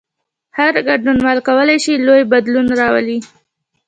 هر ګډونوال کولای شي لوی بدلون راولي.